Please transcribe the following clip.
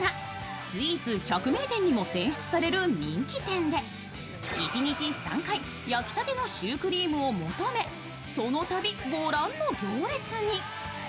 スイーツ百名店にも選出される人気店で１日３回、焼きたてのシュークリームを求め、そのたびご覧の行列に。